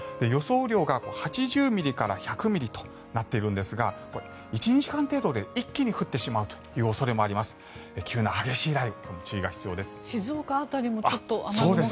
雨量が８０ミリから１００ミリとなっているんですが１２時間程度で一気に降ってしまう恐れもあります。